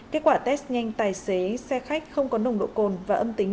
kết quả test nhanh tài xế xe khách không có nồng độ cồn và âm tính